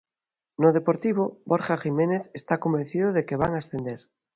No Deportivo, Borja Jiménez está convencido de que van ascender.